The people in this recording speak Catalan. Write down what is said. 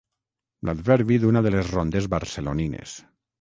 L'adverbi d'una de les rondes barcelonines.